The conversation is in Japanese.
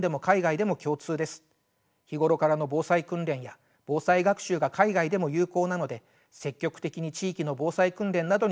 日頃からの防災訓練や防災学習が海外でも有効なので積極的に地域の防災訓練などに参加していただければと思います。